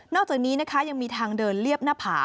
อกจากนี้นะคะยังมีทางเดินเรียบหน้าผา